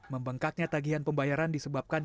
membengkaknya tagihan pembayaran disebabkan